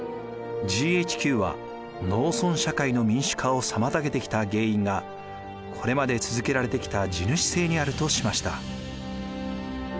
ＧＨＱは農村社会の民主化をさまたげてきた原因がこれまで続けられてきた地主制にあるとしました。